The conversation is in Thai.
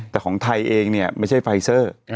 แต่ของไทยเองเนี่ยไม่ใช่ไฟเซอร์